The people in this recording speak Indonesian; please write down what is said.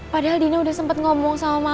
padahal din udah sempet ngomong sama mama tapi